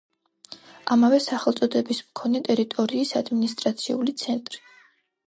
ამავე სახელწოდების მქონე ტერიტორიის ადმინისტრაციული ცენტრი.